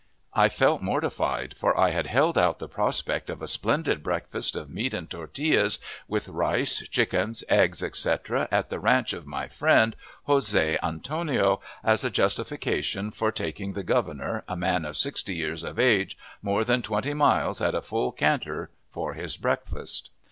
I felt mortified, for I had held out the prospect of a splendid breakfast of meat and tortillas with rice, chickens, eggs, etc., at the ranch of my friend Josh Antonio, as a justification for taking the Governor, a man of sixty years of age, more than twenty miles at a full canter for his breakfast.